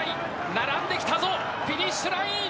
並んできたフィニッシュライン。